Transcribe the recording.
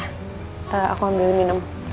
setelah aku ambil minum